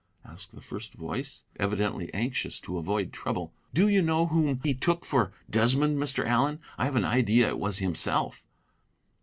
asked the first voice, evidently anxious to avoid trouble. "Do you know whom he took for Desmond, Mr. Allen? I have an idea it was himself."